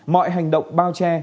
mọi hành động bao che